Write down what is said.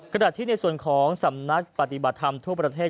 ขณะที่ในส่วนของสำนักปฏิบัติธรรมทั่วประเทศ